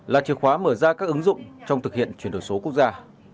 là chìa khóa mở ra các ứng dụng trong thực hiện chuyển đổi số quốc gia